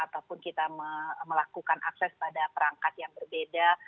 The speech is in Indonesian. ataupun kita melakukan akses pada perangkat yang berbeda